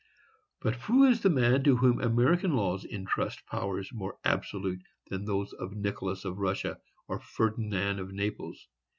But who is the man to whom American laws intrust powers more absolute than those of Nicholas of Russia, or Ferdinand of Naples?